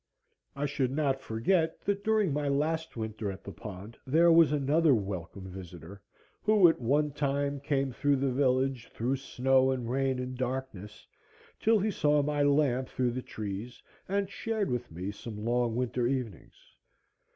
I should not forget that during my last winter at the pond there was another welcome visitor, who at one time came through the village, through snow and rain and darkness, till he saw my lamp through the trees, and shared with me some long winter evenings.